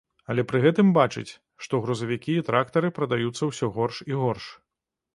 Але пры гэтым бачыць, што грузавікі і трактары прадаюцца ўсё горш і горш.